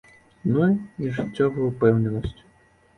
Ну, і жыццёвую упэўненасць.